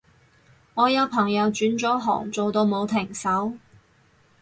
我有朋友轉咗行做到冇停手